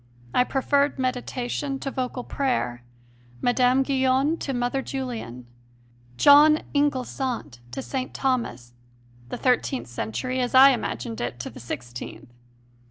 I preferred meditation to vocal prayer, Mme. Guyon to Mother Julian, "John Inglesant" to St. Thomas, the thirteenth century as I imagined it to the sixteenth.